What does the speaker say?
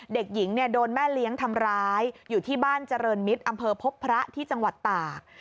เด็กหญิงเนี่ยโดนแม่เลี้ยงทำร้ายอยู่ที่บ้านเจริญมิตรอำเภอพบพระที่จังหวัดตาก